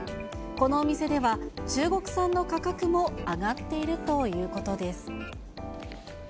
このお店では、中国産の価格も上がっているということです。